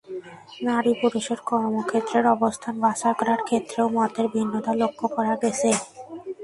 নারী-পুরুষের কর্মক্ষেত্রের অবস্থান বাছাই করার ক্ষেত্রেও মতের ভিন্নতা লক্ষ করা গেছে।